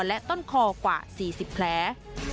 และต้นคอกว่า๔๐แผล